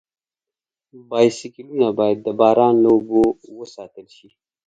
بایسکلونه باید د باران له اوبو وساتل شي.